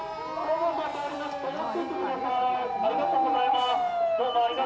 ありがとうございます。